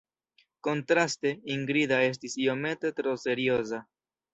Kontraste, Ingrida estis iomete tro serioza.